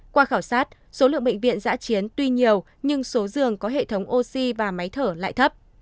qua khảo sát số lượng bệnh viện giã chiến tuy nhiều nhưng số giường có hệ thống oxy và máy thở lại thấp